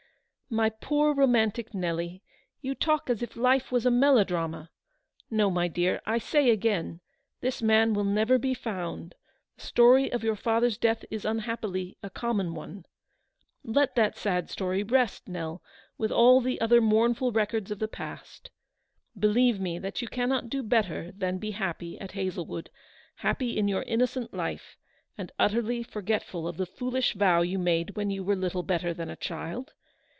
" My poor romantic Nelly, you talk as if life was a melodrama. No, my dear, I say again, this man will never be found ; the story of your father's death is unhappily a common one. Let that sad story rest, Nell, with all the other THE PRODIGAL'S RETURN. 2S1 mournful records of the past. Believe me that you cannot do better than be happy at Hazle wood; happy in your innocent life, and utterly forgetful of the foolish vow you made when you were little better than a child.